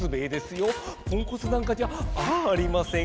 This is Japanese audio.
ポンコツなんかじゃありません。